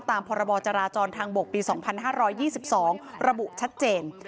ตามพรบจราจรทางบกปี๒๕๒๒ระบุชัดเจน